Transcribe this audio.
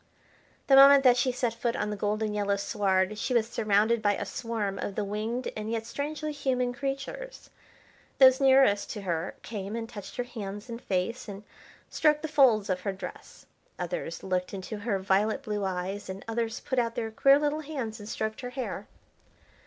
The moment that she set foot on the golden yellow sward she was surrounded by a swarm of the winged, and yet strangely human creatures. Those nearest to her came and touched her hands and face, and stroked the folds of her dress. Others looked into her violet blue eyes, and others put out their queer little hands and stroked her hair.